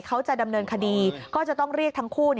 เขาจะดำเนินคดีก็จะต้องเรียกทั้งคู่